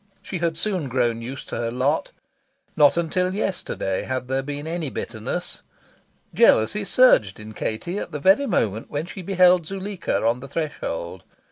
She had soon grown used to her lot. Not until yesterday had there been any bitterness. Jealousy surged in Katie at the very moment when she beheld Zuleika on the threshold.